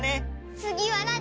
つぎはなに！？